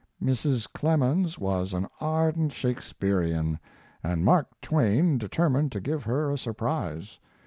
"Mrs. Clemens was an ardent Shakespearian, and Mark Twain determined to give her a surprise.